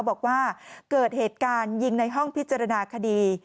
บอกว่าเกิดเหตุการณ์ยิงในห้องพิจารณาคดี